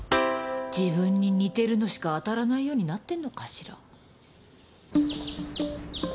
自分に似てるのしか当たらないようになってんのかしら？